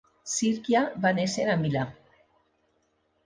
Sirchia va néixer a Milà.